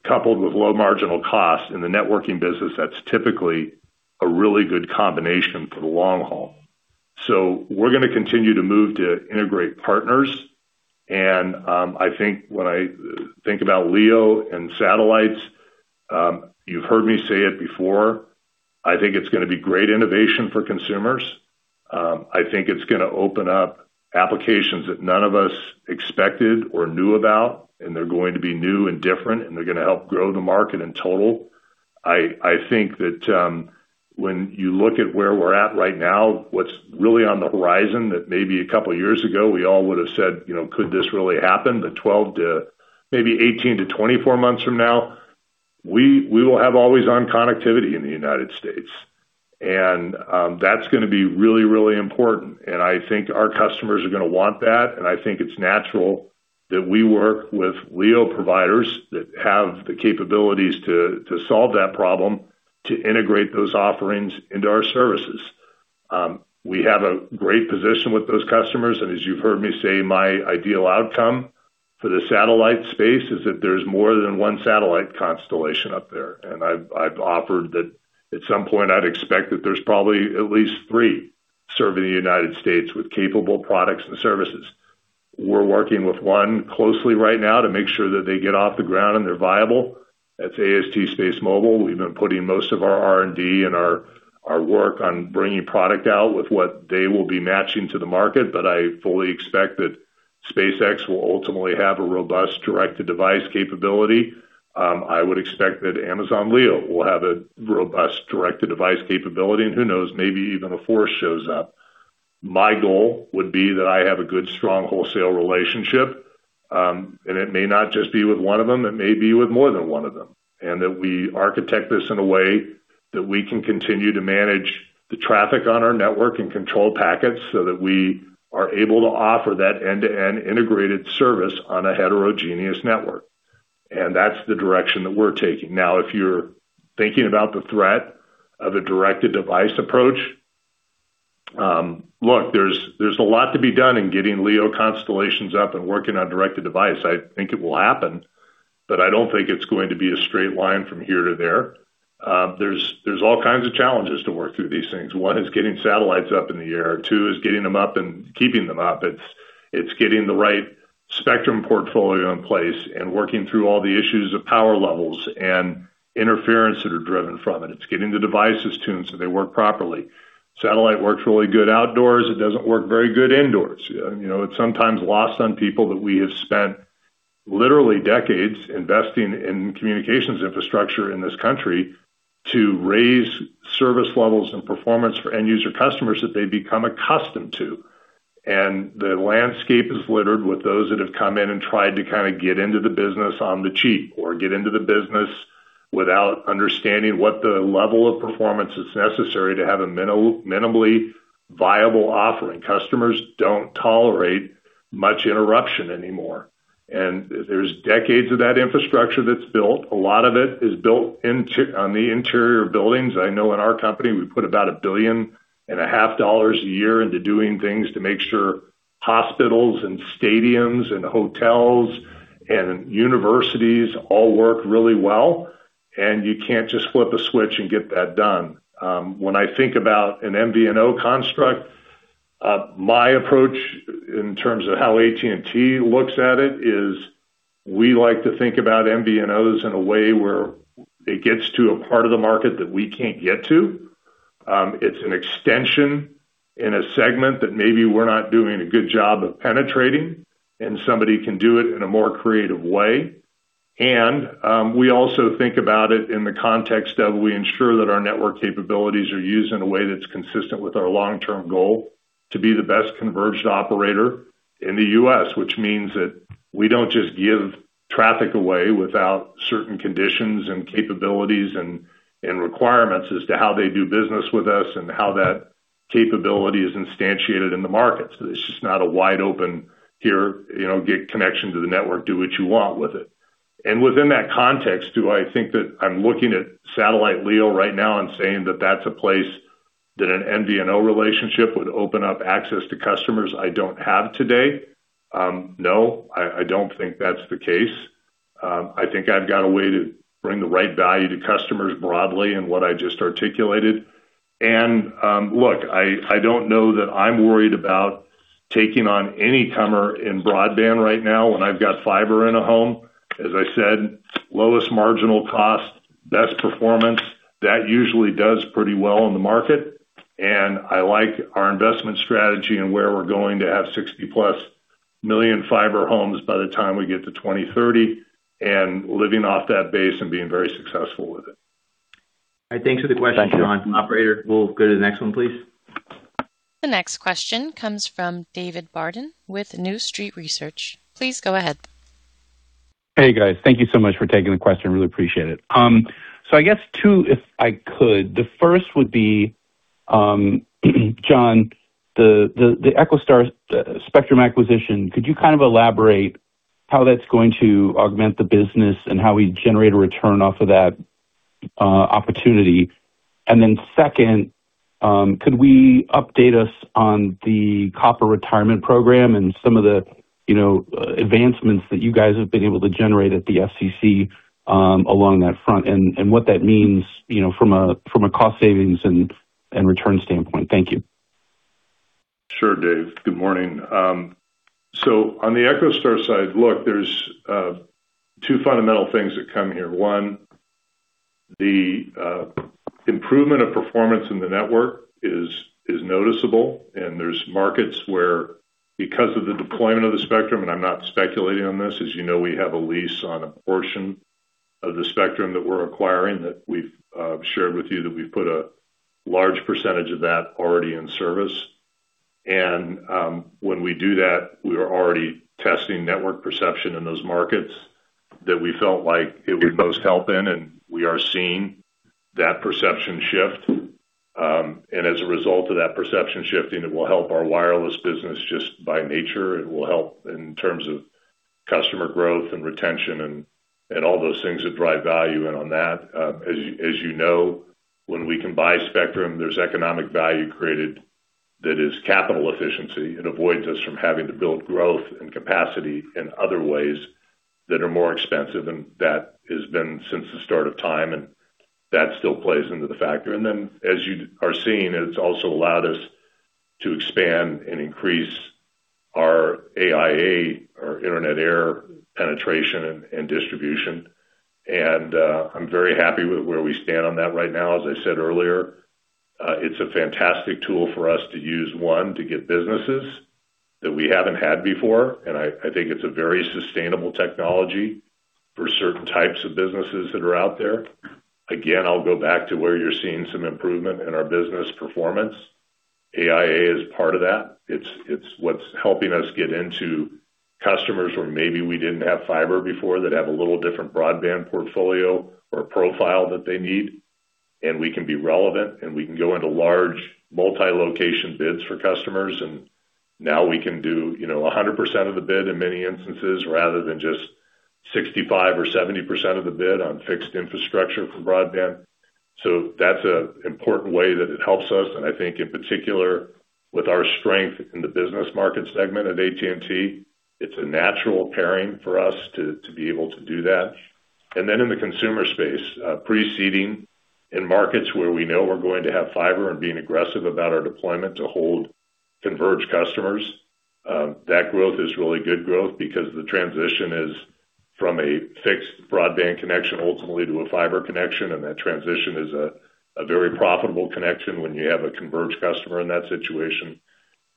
coupled with low marginal cost in the networking business, that's typically a really good combination for the long haul. We're going to continue to move to integrate partners, and I think when I think about LEO and satellites, you've heard me say it before, I think it's going to be great innovation for consumers. I think it's going to open up applications that none of us expected or knew about, and they're going to be new and different, and they're going to help grow the market in total. I think that when you look at where we're at right now, what's really on the horizon, that maybe a couple years ago, we all would've said, could this really happen, that 12 to maybe 18 to 24 months from now, we will have always-on connectivity in the United States. That's going to be really, really important. I think our customers are going to want that, and I think it's natural that we work with LEO providers that have the capabilities to solve that problem, to integrate those offerings into our services. We have a great position with those customers, and as you've heard me say, my ideal outcome for the satellite space is that there's more than one satellite constellation up there. I've offered that at some point I'd expect that there's probably at least three serving the United States with capable products and services. We're working with one closely right now to make sure that they get off the ground and they're viable. That's AST SpaceMobile. We've been putting most of our R&D and our work on bringing product out with what they will be matching to the market. I fully expect that SpaceX will ultimately have a robust direct-to-device capability. I would expect that Amazon Leo will have a robust direct-to-device capability. Who knows, maybe even a fourth shows up. My goal would be that I have a good, strong wholesale relationship. It may not just be with one of them, it may be with more than one of them, and that we architect this in a way that we can continue to manage the traffic on our network and control packets so that we are able to offer that end-to-end integrated service on a heterogeneous network. That's the direction that we're taking. Now, if you're thinking about the threat of a direct-to-device approach, look, there's a lot to be done in getting LEO constellations up and working on direct-to-device. I think it will happen, but I don't think it's going to be a straight line from here to there. There's all kinds of challenges to work through these things. One is getting satellites up in the air. Two is getting them up and keeping them up. It's getting the right spectrum portfolio in place and working through all the issues of power levels and interference that are driven from it. It's getting the devices tuned so they work properly. Satellite works really good outdoors. It doesn't work very good indoors. It's sometimes lost on people that we have spent literally decades investing in communications infrastructure in this country to raise service levels and performance for end user customers that they've become accustomed to. The landscape is littered with those that have come in and tried to get into the business on the cheap or get into the business without understanding what the level of performance is necessary to have a minimally viable offering. Customers don't tolerate much interruption anymore. There's decades of that infrastructure that's built. A lot of it is built on the interior buildings. I know in our company, we put about $1.5 billion a year into doing things to make sure hospitals and stadiums and hotels and universities all work really well. You can't just flip a switch and get that done. When I think about an MVNO construct, my approach in terms of how AT&T looks at it is we like to think about MVNOs in a way where it gets to a part of the market that we can't get to. It's an extension in a segment that maybe we're not doing a good job of penetrating, and somebody can do it in a more creative way. We also think about it in the context of we ensure that our network capabilities are used in a way that's consistent with our long-term goal to be the best converged operator in the U.S., which means that we don't just give traffic away without certain conditions and capabilities and requirements as to how they do business with us and how that capability is instantiated in the markets. It's just not a wide open here, get connection to the network, do what you want with it. Within that context, do I think that I'm looking at satellite LEO right now and saying that that's a place that an MVNO relationship would open up access to customers I don't have today? No, I don't think that's the case. I think I've got a way to bring the right value to customers broadly in what I just articulated. Look, I don't know that I'm worried about taking on any comer in broadband right now when I've got fiber in a home. As I said, lowest marginal cost, best performance. That usually does pretty well in the market. I like our investment strategy and where we're going to have 60+ million fiber homes by the time we get to 2030 and living off that base and being very successful with it. All right. Thanks for the question, John. Thank you. Operator, we'll go to the next one, please. The next question comes from David Barden with New Street Research. Please go ahead. Hey, guys. Thank you so much for taking the question. Really appreciate it. I guess two, if I could. The first would be, John, the EchoStar spectrum acquisition. Could you kind of elaborate how that's going to augment the business and how we generate a return off of that opportunity? Then second, could you update us on the copper retirement program and some of the advancements that you guys have been able to generate at the FCC along that front and what that means from a cost savings and return standpoint? Thank you. Sure, Dave. Good morning. On the EchoStar side, look, there's two fundamental things that come here. One, the improvement of performance in the network is noticeable, and there's markets where because of the deployment of the spectrum, and I'm not speculating on this, as you know, we have a lease on a portion of the spectrum that we're acquiring that we've shared with you, that we've put a large percentage of that already in service. When we do that, we are already testing network perception in those markets that we felt like it would most help in. We are seeing that perception shift. As a result of that perception shifting, it will help our wireless business just by nature. It will help in terms of customer growth and retention and all those things that drive value in on that. As you know, when we can buy spectrum, there's economic value created that is capital efficiency and avoids us from having to build growth and capacity in other ways that are more expensive. That has been since the start of time, and that still plays into the factor. Then, as you are seeing, it's also allowed us to expand and increase our AIA or Internet Air penetration and distribution. I'm very happy with where we stand on that right now. As I said earlier, it's a fantastic tool for us to use, one, to get businesses that we haven't had before, and I think it's a very sustainable technology for certain types of businesses that are out there. Again, I'll go back to where you're seeing some improvement in our business performance. AIA is part of that. It's what's helping us get into customers where maybe we didn't have fiber before, that have a little different broadband portfolio or profile that they need. We can be relevant and we can go into large multi-location bids for customers. Now we can do 100% of the bid in many instances rather than just 65% or 70% of the bid on fixed infrastructure for broadband. That's an important way that it helps us. I think in particular with our strength in the business market segment at AT&T, it's a natural pairing for us to be able to do that. Then in the consumer space pre-seeding in markets where we know we're going to have fiber and being aggressive about our deployment to hold converged customers, that growth is really good growth because the transition is from a fixed broadband connection ultimately to a fiber connection. That transition is a very profitable connection when you have a converged customer in that situation.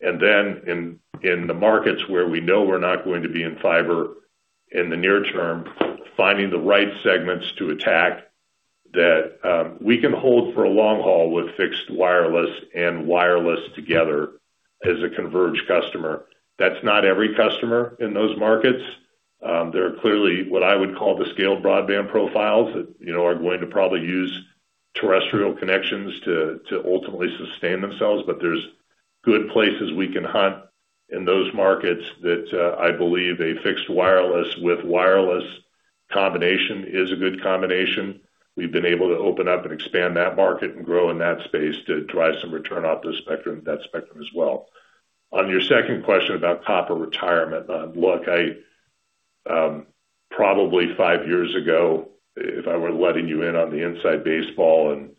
In the markets where we know we're not going to be in fiber in the near term, finding the right segments to attack that we can hold for a long haul with fixed wireless and wireless together as a converged customer. That's not every customer in those markets. There are clearly what I would call the scaled broadband profiles that are going to probably use terrestrial connections to ultimately sustain themselves. There's good places we can hunt in those markets that I believe a fixed wireless with wireless combination is a good combination. We've been able to open up and expand that market and grow in that space to drive some return off that spectrum as well. On your second question about copper retirement. Look, probably five years ago, if I were letting you in on the inside baseball and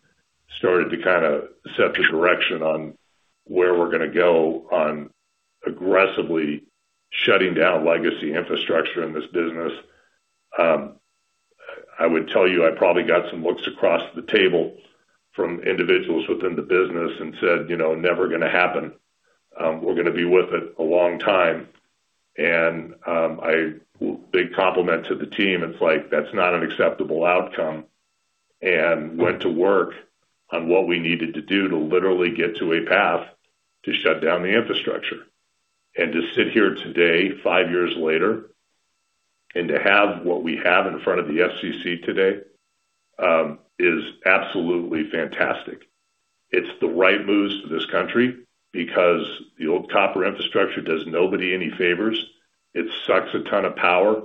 started to kind of set the direction on where we're going to go on aggressively shutting down legacy infrastructure in this business, I would tell you I probably got some looks across the table from individuals within the business and said, "Never going to happen. We're going to be with it a long time." Big compliment to the team. It's like that's not an acceptable outcome and went to work on what we needed to do to literally get to a path to shut down the infrastructure. To sit here today, five years later, to have what we have in front of the FCC today is absolutely fantastic. It's the right move for this country because the old copper infrastructure does nobody any favors. It sucks a ton of power.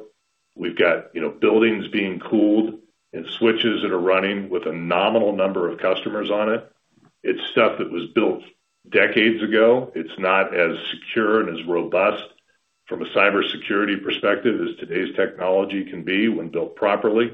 We've got buildings being cooled and switches that are running with a nominal number of customers on it. It's stuff that was built decades ago. It's not as secure and as robust from a cybersecurity perspective as today's technology can be when built properly.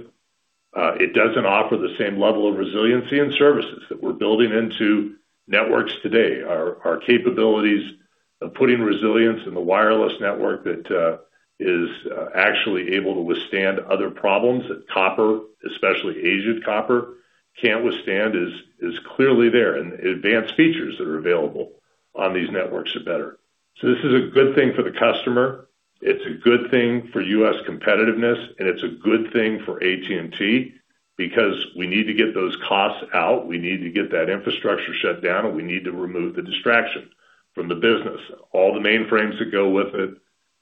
It doesn't offer the same level of resiliency and services that we're building into networks today. Our capabilities of putting resilience in the wireless network that is actually able to withstand other problems that copper, especially aged copper, can't withstand is clearly there. Advanced features that are available on these networks are better. This is a good thing for the customer, it's a good thing for U.S. competitiveness, and it's a good thing for AT&T because we need to get those costs out. We need to get that infrastructure shut down, and we need to remove the distraction from the business. All the mainframes that go with it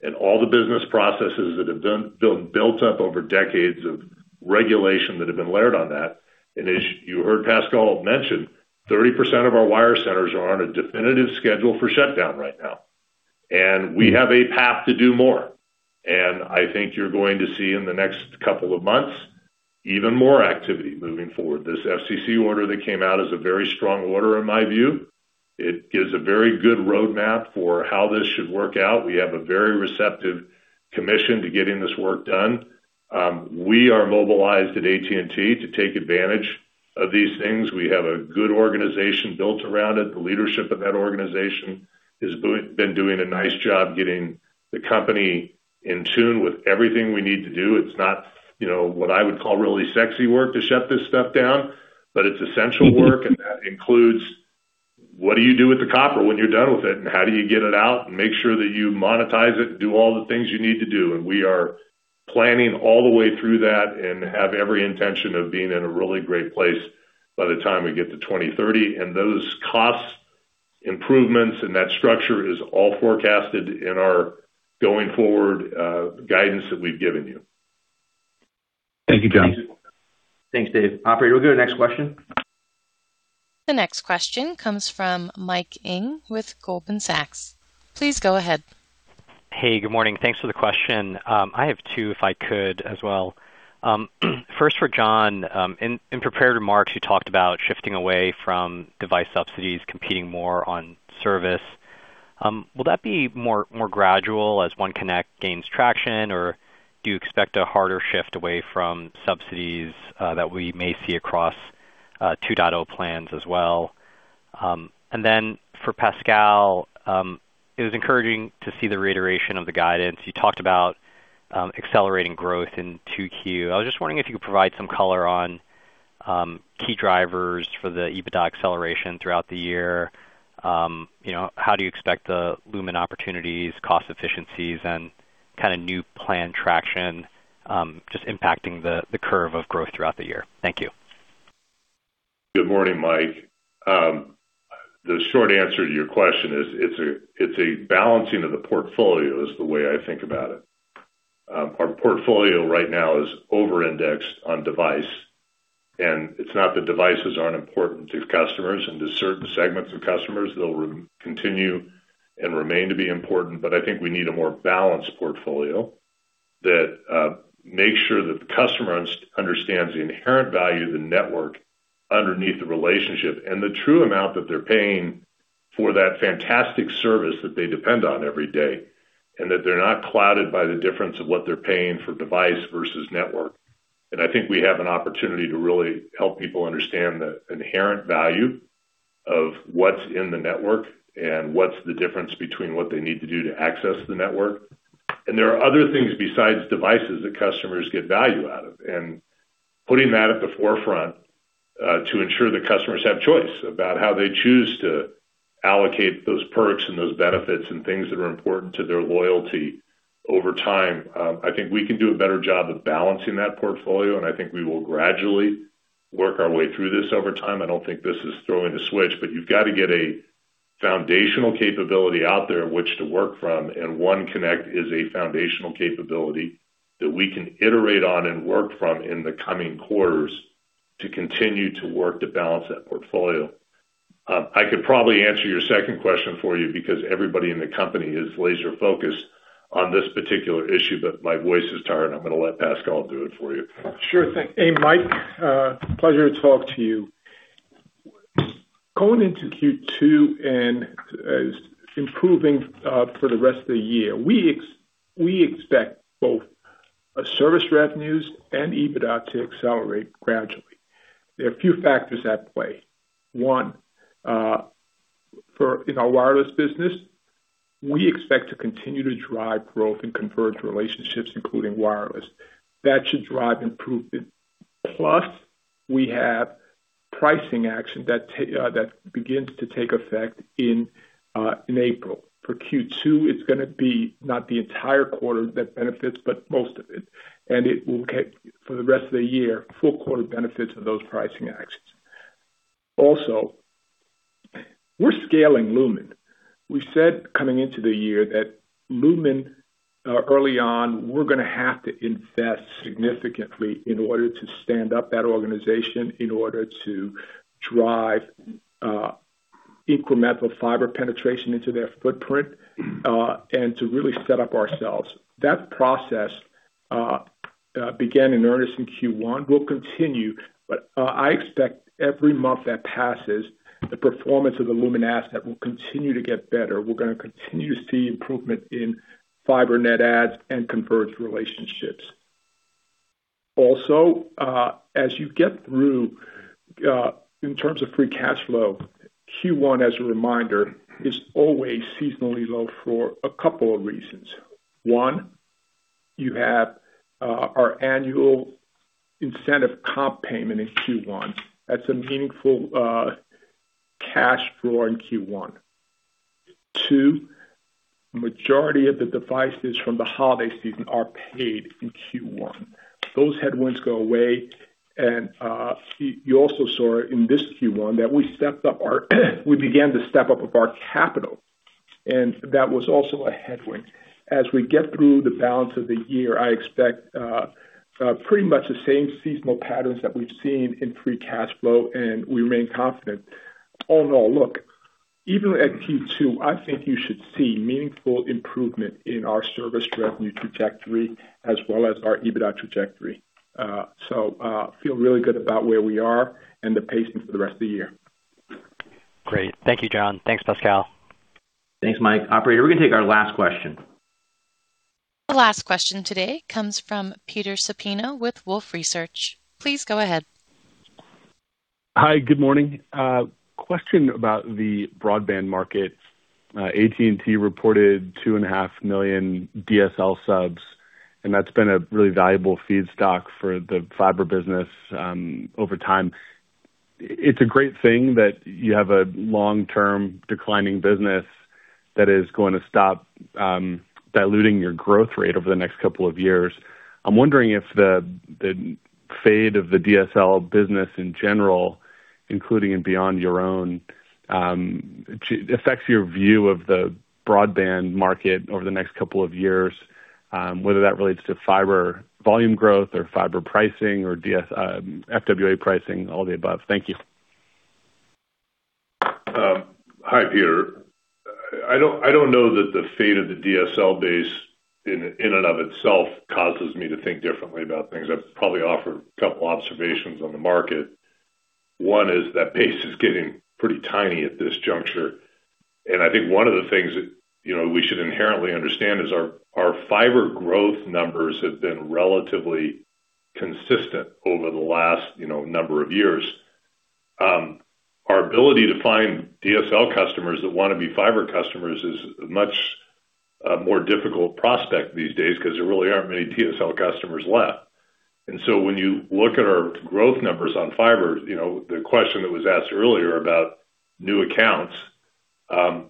and all the business processes that have built up over decades of regulation that have been layered on that. As you heard Pascal mention, 30% of our wire centers are on a definitive schedule for shutdown right now. We have a path to do more. I think you're going to see in the next couple of months, even more activity moving forward. This FCC order that came out is a very strong order in my view. It gives a very good roadmap for how this should work out. We have a very receptive commission to getting this work done. We are mobilized at AT&T to take advantage of these things. We have a good organization built around it. The leadership of that organization has been doing a nice job getting the company in tune with everything we need to do. It's not what I would call really sexy work to shut this stuff down, but it's essential work and that includes what do you do with the copper when you're done with it and how do you get it out and make sure that you monetize it and do all the things you need to do? We are planning all the way through that and have every intention of being in a really great place by the time we get to 2030. Those cost improvements and that structure is all forecasted in our going forward guidance that we've given you. Thank you, John. Thanks, Dave. Operator, we'll go to the next question. The next question comes from Mike Ng with Goldman Sachs. Please go ahead. Hey, good morning. Thanks for the question. I have two if I could as well. First for John, in prepared remarks, you talked about shifting away from device subsidies, competing more on service. Will that be more gradual as OneConnect gains traction, or do you expect a harder shift away from subsidies that we may see across 2.0 plans as well? For Pascal, it was encouraging to see the reiteration of the guidance. You talked about accelerating growth in 2Q. I was just wondering if you could provide some color on key drivers for the EBITDA acceleration throughout the year. How do you expect the Lumen opportunities, cost efficiencies, and new plan traction just impacting the curve of growth throughout the year? Thank you. Good morning, Mike. The short answer to your question is it's a balancing of the portfolio is the way I think about it. Our portfolio right now is over-indexed on device, and it's not that devices aren't important to customers and to certain segments of customers, they'll continue and remain to be important, but I think we need a more balanced portfolio that makes sure that the customer understands the inherent value of the network underneath the relationship and the true amount that they're paying for that fantastic service that they depend on every day, and that they're not clouded by the difference of what they're paying for device versus network. I think we have an opportunity to really help people understand the inherent value of what's in the network and what's the difference between what they need to do to access the network. There are other things besides devices that customers get value out of, and putting that at the forefront to ensure that customers have choice about how they choose to allocate those perks and those benefits and things that are important to their loyalty over time. I think we can do a better job of balancing that portfolio, and I think we will gradually work our way through this over time. I don't think this is throwing a switch, but you've got to get a foundational capability out there in which to work from, and OneConnect is a foundational capability that we can iterate on and work from in the coming quarters to continue to work to balance that portfolio. I could probably answer your second question for you because everybody in the company is laser focused on this particular issue, but my voice is tired and I'm going to let Pascal do it for you. Sure thing. Hey, Mike. Pleasure to talk to you. Going into Q2 and improving for the rest of the year, we expect both service revenues and EBITDA to accelerate gradually. There are a few factors at play. One, in our wireless business, we expect to continue to drive growth in converged relationships, including wireless. That should drive improvement. Plus, we have pricing action that begins to take effect in April. For Q2, it's going to be not the entire quarter that benefits, but most of it. It will take for the rest of the year, full quarter benefits of those pricing actions. We're scaling Lumen. We said coming into the year that Lumen, early on, we're going to have to invest significantly in order to stand up that organization, in order to drive incremental fiber penetration into their footprint, and to really set up ourselves. That process began in earnest in Q1, will continue, but I expect every month that passes, the performance of the Lumen asset will continue to get better. We're going to continue to see improvement in fiber net adds and converged relationships. As you get through, in terms of free cash flow, Q1, as a reminder, is always seasonally low for a couple of reasons. One, you have our annual incentive comp payment in Q1. That's a meaningful cash draw in Q1. Two, majority of the devices from the holiday season are paid in Q1. Those headwinds go away, and you also saw in this Q1 that we began to step up with our capital, and that was also a headwind. As we get through the balance of the year, I expect pretty much the same seasonal patterns that we've seen in free cash flow, and we remain confident. All in all, look, even at Q2, I think you should see meaningful improvement in our service revenue trajectory as well as our EBITDA trajectory. Feel really good about where we are and the pacing for the rest of the year. Great. Thank you, John. Thanks, Pascal. Thanks, Mike. Operator, we're going to take our last question. The last question today comes from Peter Supino with Wolfe Research. Please go ahead. Hi, good morning. Question about the broadband market. AT&T reported 2.5 million DSL subs, and that's been a really valuable feedstock for the fiber business over time. It's a great thing that you have a long-term declining business that is going to stop diluting your growth rate over the next couple of years. I'm wondering if the fade of the DSL business in general, including and beyond your own, affects your view of the broadband market over the next couple of years, whether that relates to fiber volume growth or fiber pricing or FWA pricing, all the above. Thank you. Hi, Peter. I don't know that the fate of the DSL base in and of itself causes me to think differently about things. I'd probably offer a couple observations on the market. One is that pace is getting pretty tiny at this juncture. I think one of the things that we should inherently understand is our fiber growth numbers have been relatively consistent over the last number of years. Our ability to find DSL customers that want to be fiber customers is a much more difficult prospect these days because there really aren't many DSL customers left. When you look at our growth numbers on fiber, the question that was asked earlier about new accounts,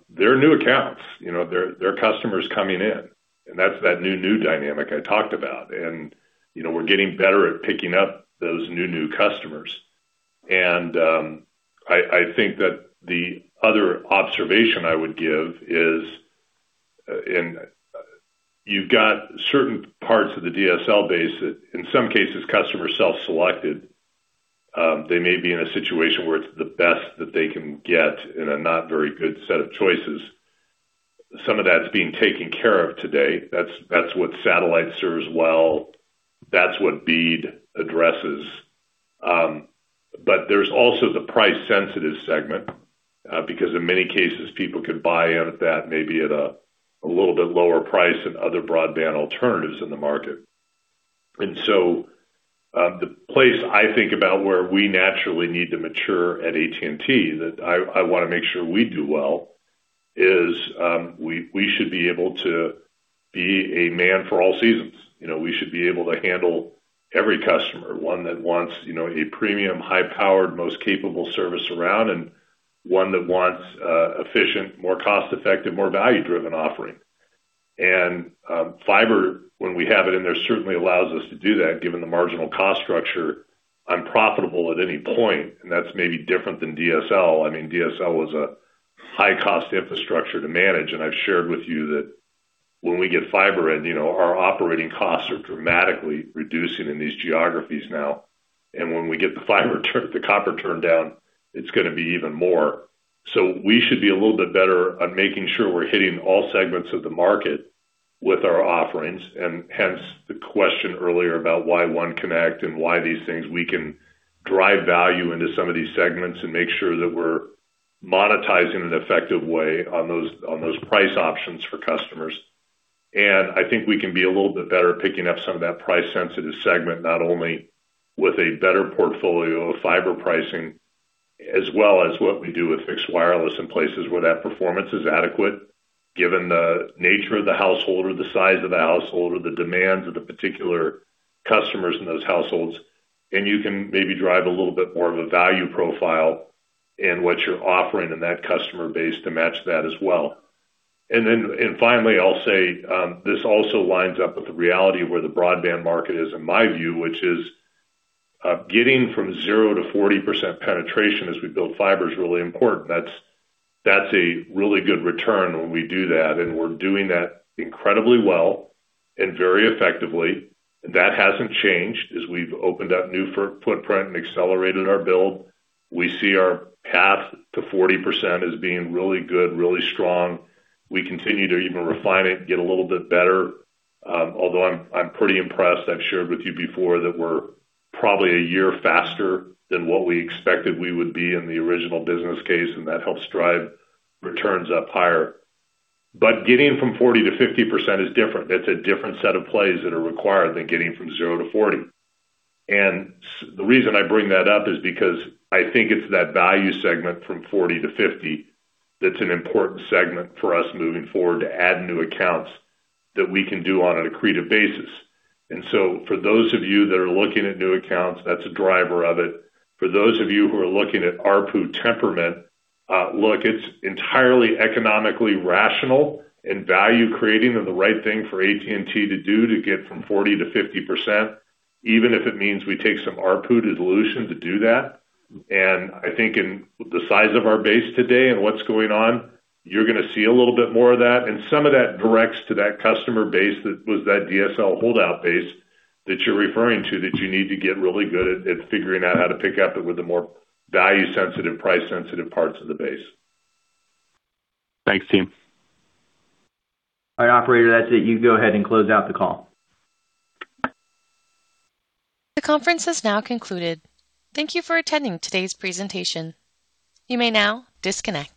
they're new accounts. They're customers coming in, and that's that new dynamic I talked about, and we're getting better at picking up those new customers. I think that the other observation I would give is you've got certain parts of the DSL base that in some cases, customers self-selected. They may be in a situation where it's the best that they can get in a not very good set of choices. Some of that's being taken care of today. That's what satellite serves well. That's what BEAD addresses. There's also the price-sensitive segment, because in many cases, people could buy out of that maybe at a little bit lower price than other broadband alternatives in the market. The place I think about where we naturally need to mature at AT&T that I want to make sure we do well is we should be able to be a man for all seasons. We should be able to handle every customer, one that wants a premium, high-powered, most capable service around and one that wants efficient, more cost-effective, more value-driven offering. Fiber, when we have it in there, certainly allows us to do that given the marginal cost structure. I'm profitable at any point, and that's maybe different than DSL. DSL was a high-cost infrastructure to manage, and I've shared with you that when we get fiber in, our operating costs are dramatically reducing in these geographies now. When we get the fiber, the copper turndown, it's going to be even more. We should be a little bit better on making sure we're hitting all segments of the market with our offerings, and hence the question earlier about why OneConnect and why these things we can drive value into some of these segments and make sure that we're monetizing an effective way on those price options for customers. I think we can be a little bit better at picking up some of that price-sensitive segment, not only with a better portfolio of fiber pricing, as well as what we do with fixed wireless in places where that performance is adequate, given the nature of the householder, the size of the householder, the demands of the particular customers in those households. You can maybe drive a little bit more of a value profile in what you're offering in that customer base to match that as well. Finally, I'll say this also lines up with the reality of where the broadband market is in my view, which is getting from zero to 40% penetration as we build fiber, is really important. That's a really good return when we do that, and we're doing that incredibly well and very effectively. That hasn't changed as we've opened up new footprint and accelerated our build. We see our path to 40% as being really good, really strong. We continue to even refine it, get a little bit better. Although I'm pretty impressed, I've shared with you before that we're probably a year faster than what we expected we would be in the original business case, and that helps drive returns up higher. Getting from 40%-50% is different. That's a different set of plays that are required than getting from 0%-40%. The reason I bring that up is because I think it's that value segment from 40%-50% that's an important segment for us moving forward to add new accounts that we can do on an accretive basis. For those of you that are looking at new accounts, that's a driver of it. For those of you who are looking at ARPU temperament, look, it's entirely economically rational and value creating and the right thing for AT&T to do to get from 40%-50%, even if it means we take some ARPU dilution to do that. I think in the size of our base today and what's going on, you're going to see a little bit more of that. Some of that directs to that customer base that was the DSL holdout base that you're referring to, that you need to get really good at figuring out how to pick up with the more value sensitive, price sensitive parts of the base. Thanks, team. All right, operator, that's it. You can go ahead and close out the call. The conference has now concluded. Thank you for attending today's presentation. You may now disconnect.